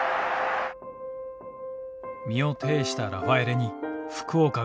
身を挺したラファエレに福岡が続く。